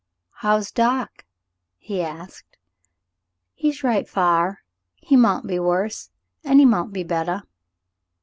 *' How's doc ?" he asked. "He's right fa'r. He mount be worse an' he mount be bettah."